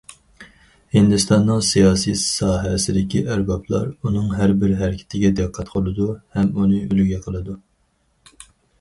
ھىندىستاننىڭ سىياسىي ساھەسىدىكى ئەربابلار ئۇنىڭ ھەر بىر ھەرىكىتىگە دىققەت قىلىدۇ ھەم ئۇنى ئۈلگە قىلىدۇ.